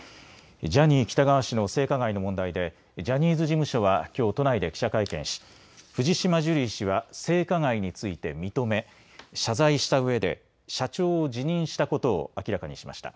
ジャニー喜多川氏の性加害の問題で、ジャニーズ事務所はきょう都内で記者会見し、藤島社長は性加害について認め、謝罪したうえで、社長を辞任したことを明らかにしました。